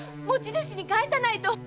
持ち主に返さないと！